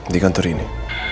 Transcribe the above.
di kantor ini